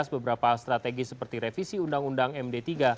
beberapa strategi seperti revisi undang undang md tiga